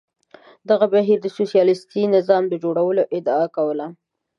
دغه بهیر د سوسیالیستي نظام د جوړولو ادعا کوله.